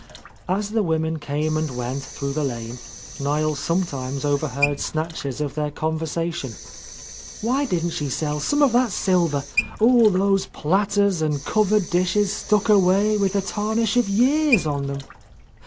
As the women came and went through the lane, Niel sometimes overheard snatches of their conversation. "Why didn't she sell some of that silver? All those platters and covered dishes stuck away with the tarnish of years on them!"